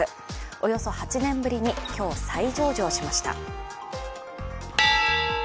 およそ８年ぶりに今日、再上場しました。